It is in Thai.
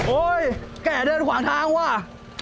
โอ๊ยแกเดินทางด้านกว่า